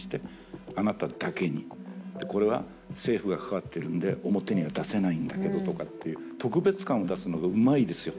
「これは政府が関わってるんで表には出せないんだけど」とかっていう特別感を出すのがうまいですよ。